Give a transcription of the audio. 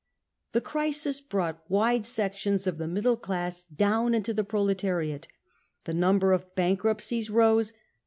The crisis brought wide sections of the middle class down f ndo the proletariat. The number of bankruptcies rose.